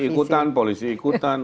ini ikutan polisi ikutan